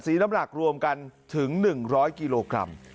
น้ำหนักรวมกันถึง๑๐๐กิโลกรัม